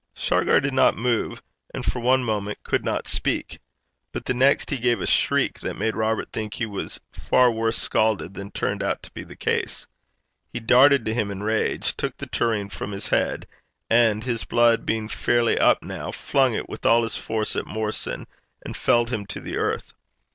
Shargar did not move, and for one moment could not speak, but the next he gave a shriek that made Robert think he was far worse scalded than turned out to be the case. He darted to him in rage, took the tureen from his head, and, his blood being fairly up now, flung it with all his force at Morrison, and felled him to the earth.